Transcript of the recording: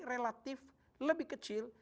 relatif lebih kecil